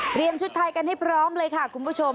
ชุดไทยกันให้พร้อมเลยค่ะคุณผู้ชม